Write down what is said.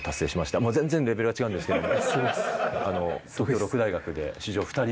もう全然レベルは違うんですけどね。